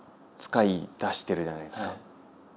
使いだしてるじゃないですか。